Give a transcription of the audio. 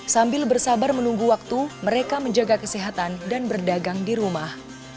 sambil bersabar menunggu waktu mereka menjaga kesehatan dan berdagang di rumah